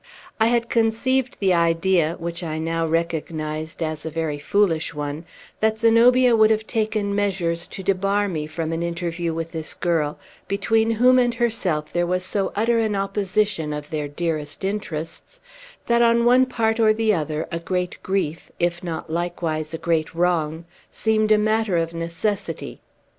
I had conceived the idea, which I now recognized as a very foolish one, that Zenobia would have taken measures to debar me from an interview with this girl, between whom and herself there was so utter an opposition of their dearest interests, that, on one part or the other, a great grief, if not likewise a great wrong, seemed a matter of necessity.